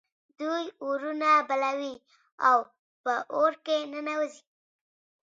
دوی اورونه بلوي او په اور کې ننوزي.